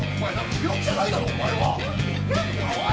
病気じゃないだろお前おい！